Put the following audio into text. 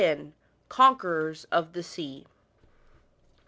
CONQUERORS OP THE SEA.